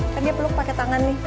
kan dia peluk pakai tangan nih